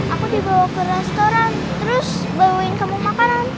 aku dibawa ke restoran terus bawain kamu makanan